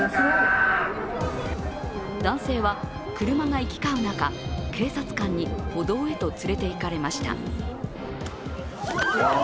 男性は車が行き交う中警察官に歩道へと連れていかれました。